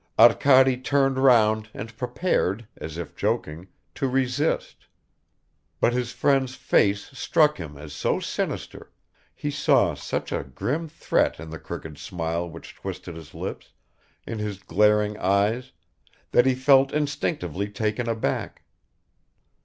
Arkady turned round and prepared, as if joking, to resist ... But his friend's face struck him as so sinister he saw such a grim threat in the crooked smile which twisted his lips, in his glaring eyes, that he felt instinctively taken aback